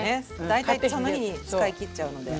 大体その日に使い切っちゃうので。